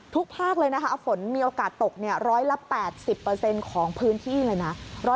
ภาคเลยนะคะฝนมีโอกาสตก๑๘๐ของพื้นที่เลยนะ